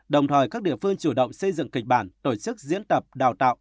đồng thời các địa phương chủ động xây dựng kịch bản tổ chức diễn tập đào tạo